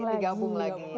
terus digabung lagi